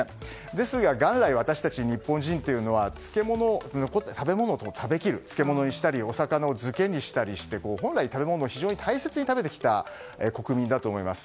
ですが、元来私たち日本人は漬物として、残った食べ物を食べきる漬物にしたりと本来、食べ物を非常に大切に食べてきた国民だと思います。